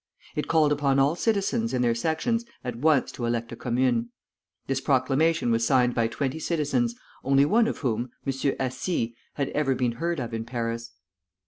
It called upon all citizens in their sections at once to elect a commune. This proclamation was signed by twenty citizens, only one of whom, M. Assy, had ever been heard of in Paris.